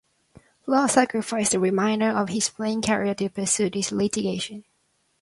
Flood sacrificed the remainder of his playing career to pursue this litigation.